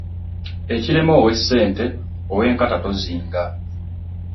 Ekirema owa ssente owenkata tozinga.